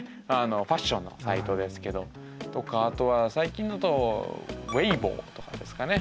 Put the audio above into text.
ファッションのサイトですけど。とかあとは最近だとＷｅｉｂｏとかですかね。